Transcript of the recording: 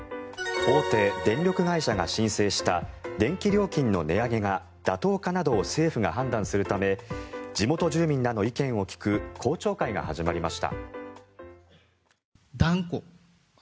大手電力会社が申請した電気料金の値上げが妥当かなどを政府が判断するため地元住民らの意見を聞く公聴会が始まりました。